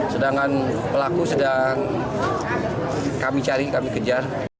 sedangkan pelaku sedang kami cari kami kejar